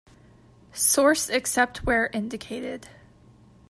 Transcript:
Source except where indicated.